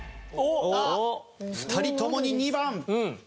２人ともに２番。